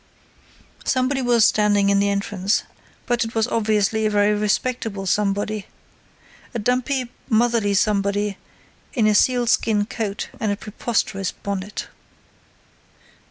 Somebody was standing in the entrance, but it was obviously a very respectable somebody. A dumpy, motherly somebody in a seal skin coat and a preposterous bonnet.